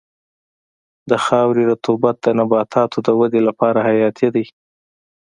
د خاورې رطوبت د نباتاتو د ودې لپاره حیاتي دی.